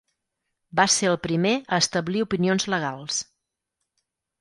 Va ser el primer a establir opinions legals.